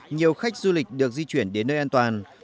nhiều khách du lịch được di chuyển đến nơi an toàn